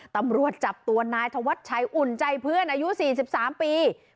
ตำรวจจับตัวนายธวัชชัยอุ่นใจเพื่อนอายุ๔๓ปี